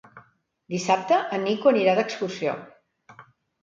Dissabte en Nico anirà d'excursió.